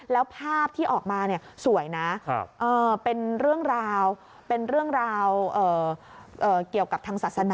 แล้วภาพที่ออกมาสวยนะเป็นเรื่องราวเกี่ยวกับทางศาสนา